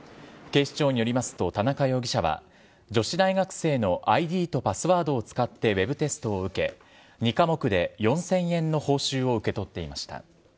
警視庁によりますと、田中容疑者は女子大学生のＩＤとパスワードを使ってウェブテストを受け、２科目で４０００円の報酬を受け取っていました。